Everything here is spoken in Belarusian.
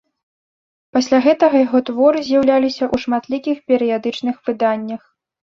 Пасля гэтага яго творы з'яўляліся ў шматлікіх перыядычных выданнях.